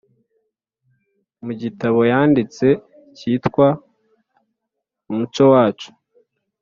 mu gitabo yanditse cyitwa umco wacu